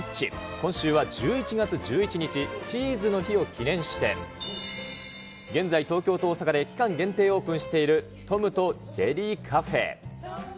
今週は１１月１１日、チーズの日を記念して、現在、東京と大阪で期間限定オープンしているトムとジェリーカフェ。